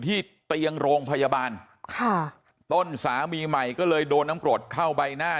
ที่เตียงโรงพยาบาลค่ะต้นสามีใหม่ก็เลยโดนน้ำกรดเข้าใบหน้า